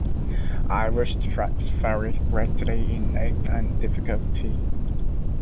Irish tracks vary greatly in length and difficulty.